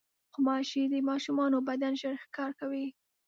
غوماشې د ماشومانو بدن ژر ښکار کوي.